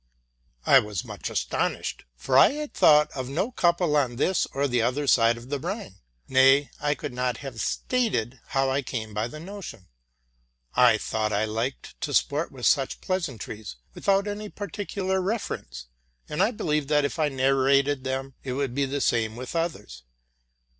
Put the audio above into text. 1 was much astonished. for I had thought of no couple on this or the other side of the Rhine; nay, I could not have stated how I came by the notion. In thought I liked to sport with such pleasantries, without any particular reference ; and I believed, that, if I narrated them, it would be the same with others.